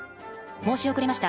申し遅れました。